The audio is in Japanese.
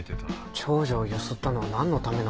長女をゆすったのはなんのためなんでしょう？